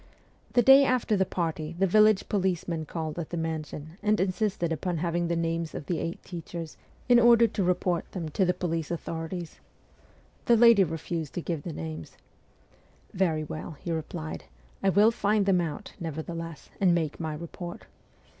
The day after the party the village policeman called at the mansion and insisted upon having the names of the eight teachers, in order to report them to the police authorities. The lady refused to give the names. ' Very well,' he replied, ' I will find them out, nevertheless, and make my report.